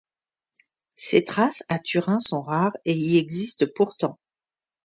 Ces traces, à Thurins, sont rares, et y existent pourtant.